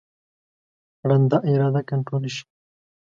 ړنده اراده کنټرول شي.